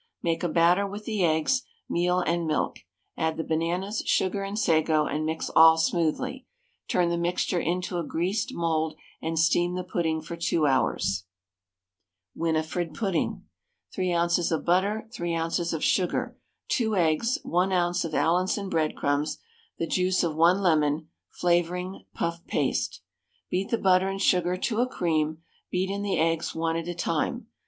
Make a batter with the eggs, meal, and milk; add the bananas, sugar, and sago, and mix all smoothly. Turn the mixture into a greased mould and steam the pudding for 2 hours. WINIFRED PUDDING. 3 oz. of butter, 3 oz. of sugar, 2 eggs, 1 oz. of Allinson breadcrumbs, the juice of 1 lemon, flavouring, puff paste. Beat the butter and sugar to a cream, beat in the eggs one at a time.